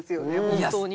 本当に。